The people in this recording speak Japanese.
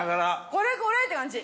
これこれって感じ。